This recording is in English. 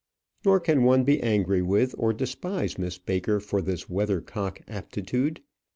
Nor can one be angry with, or despise Miss Baker for this weathercock aptitude.